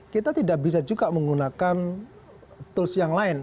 kita tidak bisa juga menggunakan tools yang lain